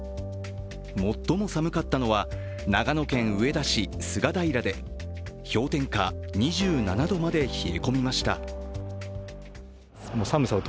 最も寒かったのは長野県上田市菅平で氷点下２７度まで冷え込みました。